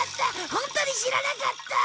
ホントに知らなかった。